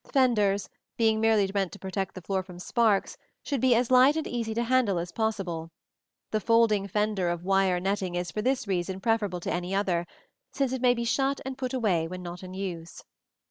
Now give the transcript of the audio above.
Fenders, being merely meant to protect the floor from sparks, should be as light and easy to handle as possible: the folding fender of wire netting is for this reason preferable to any other, since it may be shut and put away when not in use.